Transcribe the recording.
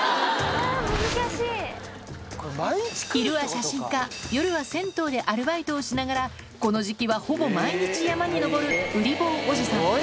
昼は写真家夜は銭湯でアルバイトをしながらこの時期はほぼ毎日山に登るウリ坊おじさん